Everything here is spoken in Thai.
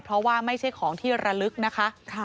เพราะว่าไม่ใช่ของที่ระลึกนะคะ